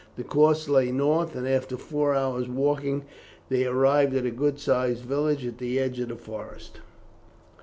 Their course lay north, and after four hours' walking they arrived at a good sized village at the edge of a forest.